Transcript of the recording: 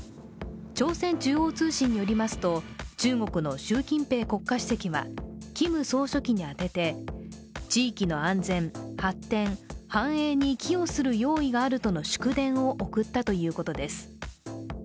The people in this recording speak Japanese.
朝鮮中央通信によりますと中国の習近平国家主席はキム総書記に宛てて、地域の安全・発展・繁栄に寄与する用意があるとの祝電を送ったということです。